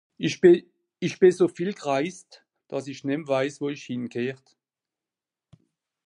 Isch bin so viel gereist, dass i nemme weiss, wo isch hingehöre